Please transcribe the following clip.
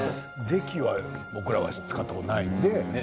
ぜきは僕らは使ったことないね。